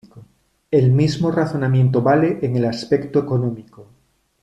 El mismo razonamiento vale en el aspecto económico.